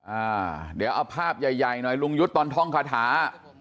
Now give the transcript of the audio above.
อ่าเดี๋ยวเอาภาพใหญ่ใหญ่หน่อยลุงยุทธ์ตอนท่องคาถา